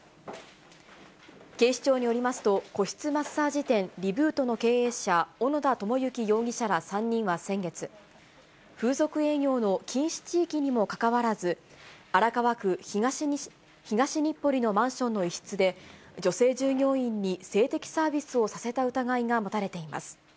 警視庁によりますと、個室マッサージ店、Ｒｅｂｏｏｔの経営者、小野田知之容疑者ら３人は先月、風俗営業の禁止地域にもかかわらず、荒川区東日暮里のマンションの一室で、女性従業員に性的サービスをさせた疑いが持たれています。